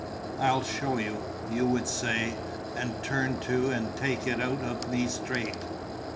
'I'll show you,' you would say, and turn to and take it out of me straight."